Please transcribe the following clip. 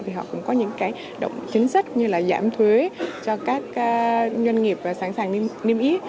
thì họ cũng có những cái chính sách như là giảm thuế cho các doanh nghiệp và sẵn sàng niêm yết